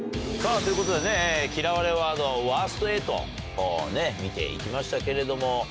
さぁということでね嫌われワードワースト８見て行きましたけれども。